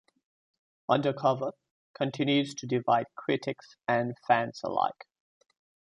"Undercover" continues to divide critics and fans alike.